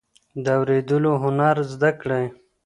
د اوریدلو هنر زده کړئ.